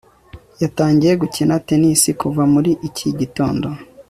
yatangiye gukina tennis kuva muri iki gitondo